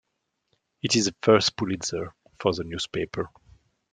It is the first Pulitzer for the newspaper.